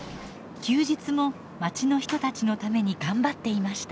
休日もまちの人たちのために頑張っていました。